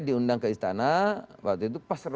diundang ke istana waktu itu pas